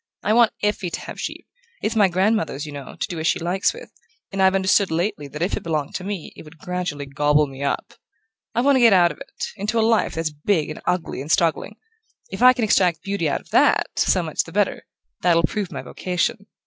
I want Effie to have Givre it's my grandmother's, you know, to do as she likes with; and I've understood lately that if it belonged to me it would gradually gobble me up. I want to get out of it, into a life that's big and ugly and struggling. If I can extract beauty out of THAT, so much the better: that'll prove my vocation.